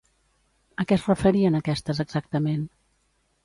A què es referien aquestes exactament?